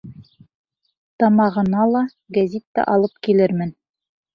— Тамағыңа ла, гәзит тә алып килермен.